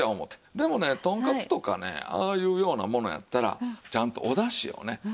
でもねトンカツとかねああいうようなものやったらちゃんとおだしをね